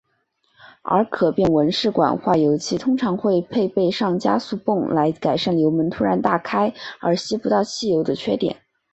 而可变文氏管化油器通常会配备上加速泵来改善油门突然大开而吸不到汽油的缺点。